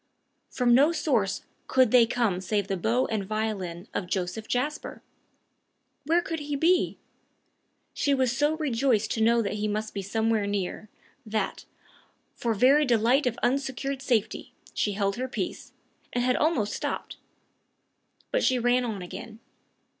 From no source could they come save the bow and violin of Joseph Jasper! Where could he be? She was so rejoiced to know that he must be somewhere near, that, for very delight of unsecured safety, she held her peace, and had almost stopped. But she ran on again.